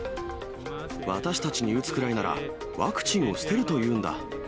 私たちに打つくらいなら、ワクチンを捨てると言うんだ。